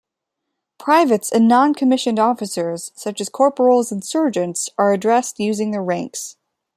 Privates and non-commissioned officers, such as corporals and sergeants, are addressed using their ranks.